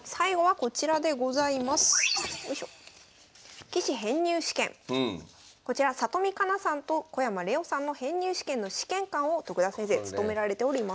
こちら里見香奈さんと小山怜央さんの編入試験の試験官を徳田先生務められております。